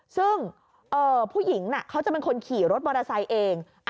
ซึ่งผู้หญิงเขาจะเป็นคนขี่รถมอเตอร์ไซค์เอง